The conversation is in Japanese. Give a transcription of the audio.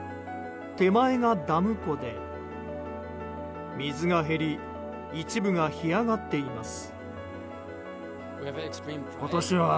手前がダム湖で、水が減り一部が干上がっています。